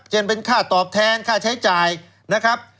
เป็นค่าตอบแทนค่าใช้จ่ายนะครับ